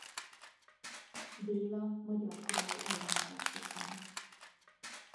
Béla magyar király elleni harcokban.